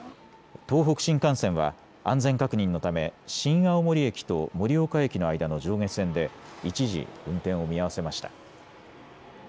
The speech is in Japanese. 東北新幹線は安全確認のため新青森駅と盛岡駅の間の上下線で一時、運転を見合わせました。